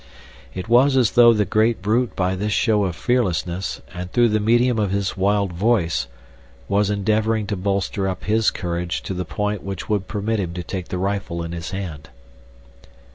It was as though the great brute by this show of fearlessness, and through the medium of his wild voice, was endeavoring to bolster up his courage to the point which would permit him to take the rifle in his hand.